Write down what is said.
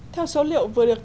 theo số liệu vừa được